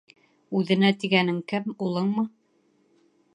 — Үҙенә тигәнең кем, улыңмы?